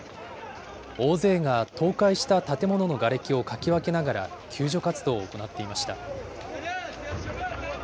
大勢が倒壊した建物のがれきをかき分けながら、救助活動を行っていました。